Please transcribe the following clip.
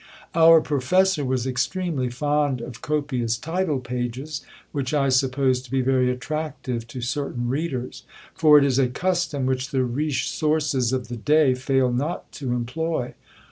Our professor was extremely fond of copious title pages, which I suppose to be very attractive to certain readers; for it is a custom which the Richesources of the day fail not to employ.